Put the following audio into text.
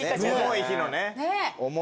重い日のね。